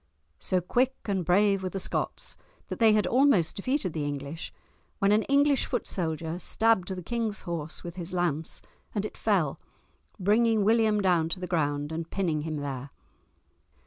So quick and brave were the Scots that they had almost defeated the English when an English foot soldier stabbed the king's horse with his lance, and it fell, bringing William down to the ground and pinning him there.